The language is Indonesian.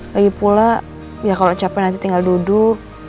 lagipula ya kalau capek nanti tinggal duduk